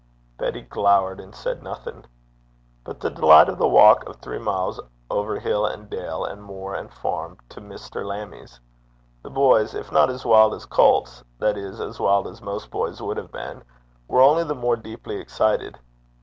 Betty glowered and said nothing. But the delight of the walk of three miles over hill and dale and moor and farm to Mr. Lammie's! The boys, if not as wild as colts that is, as wild as most boys would have been were only the more deeply excited.